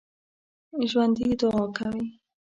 ژوندي دعا کوي